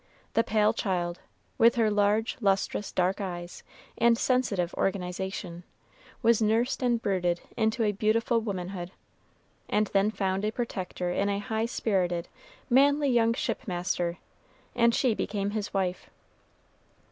The pale child, with her large, lustrous, dark eyes, and sensitive organization, was nursed and brooded into a beautiful womanhood, and then found a protector in a high spirited, manly young ship master, and she became his wife.